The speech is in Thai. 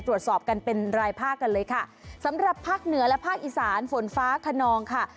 ตรวจสอบกันเป็นรายภาคกันเลยค่ะสำหรับภาคเหนือและภาคอีสานฝนฟ้าขนองค่ะ